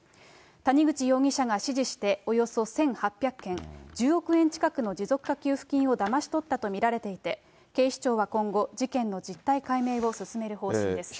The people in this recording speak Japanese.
谷口容疑者が指示しておよそ１８００件、１０億円近くの持続化給付金をだまし取ったと見られていて、警視庁は今後、事件の実態解明を進める方針です。